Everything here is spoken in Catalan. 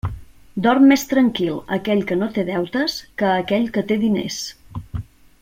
Dorm més tranquil aquell que no té deutes que aquell que té diners.